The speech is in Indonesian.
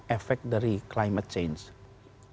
efek dari perubahan klinik